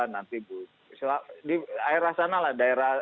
nanti di daerah sana lah